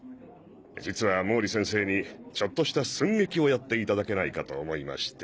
実は毛利先生にちょっとした寸劇をやっていただけないかと思いまして。